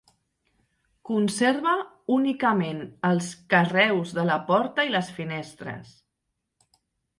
Conserva únicament els carreus de la porta i les finestres.